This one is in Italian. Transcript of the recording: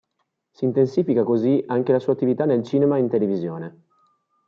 Si intensifica così anche la sua attività nel cinema e in televisione.